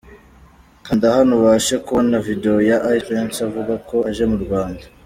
Kanda hano ubashe kubona Video ya Ice Prince avuga ko aje mu Rwanda.